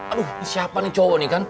aduh siapa nih cowok nih kan